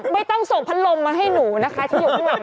ไม่ต้องส่งพัดลมมาให้หนูนะคะที่อยู่ข้างหลัง